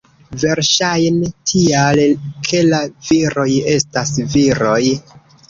Verŝajne tial, ke la viroj estas viroj.